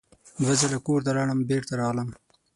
دوه ځله کور ته لاړم بېرته راغلم.